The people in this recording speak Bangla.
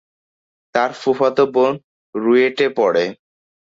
তার ফুফাতো বোন রুয়েটে পড়ে।